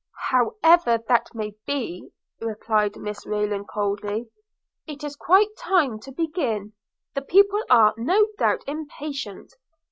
'However that may be' replied Mrs Rayland coldly, 'it is quite time to begin; the people are, no doubt, impatient.